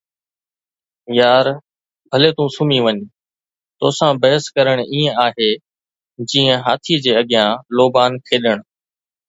يار، ڀلي تون سمهي وڃ، توسان بحث ڪرڻ ائين آهي جيئن هاٿي جي اڳيان لوبان کيڏڻ.